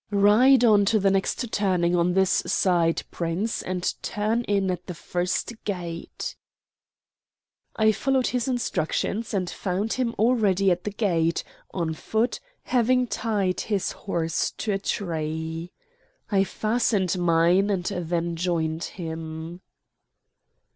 "Ride on to the next turning on this side, Prince, and turn in at the first gate." I followed his instructions, and found him already at the gate, on foot, having tied his horse to a tree. I fastened mine and then joined him.